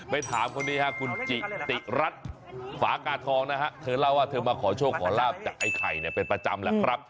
ไปถามคนนี้ฮะคุณจิติรัฐฝากาทองนะฮะเธอเล่าว่าเธอมาขอโชคขอลาบจากไอ้ไข่เนี่ยเป็นประจำแหละครับ